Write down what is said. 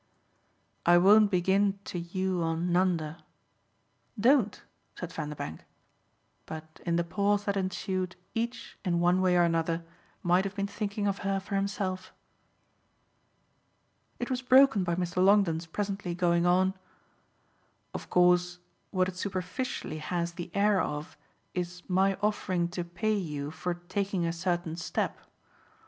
"I won't begin to you on Nanda." "Don't," said Vanderbank. But in the pause that ensued each, in one way or another, might have been thinking of her for himself. It was broken by Mr. Longdon's presently going on: "Of course what it superficially has the air of is my offering to pay you for taking a certain step.